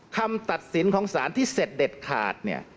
คำตัดสินของสารที่เสร็จเด็ดขาดเนี่ย